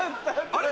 あれ？